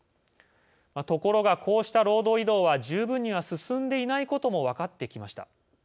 ところが、こうした労働移動は十分には進んでいないことも分かってきました。